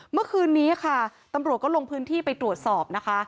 เมื่อคืนนี้ค่ะตำรวจก็ลงพื้นที่ไปตรวจสอบนะคะ